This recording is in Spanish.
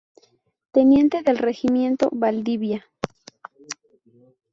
Teniente del Regimiento Valdivia.